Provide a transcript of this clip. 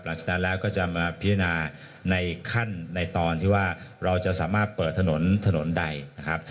หลังจากนั้นแล้วก็จะมาพิจารณาในขั้นในตอนที่ว่าเราจะสามารถเปิดถนนถนนใดนะครับ